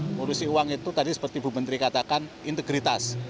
mengurusi uang itu tadi seperti bu menteri katakan integritas